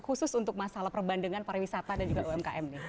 khusus untuk masalah perbandingan pariwisata dan umkm